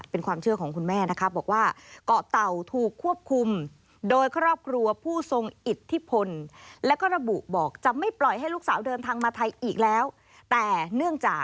เป็นความเชื่อของคุณแม่นะครับบอกว่า